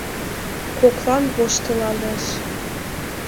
Коклан воштылалеш: